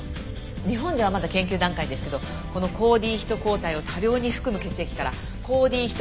日本ではまだ研究段階ですけどこの抗Ｄヒト抗体を多量に含む血液から抗Ｄヒト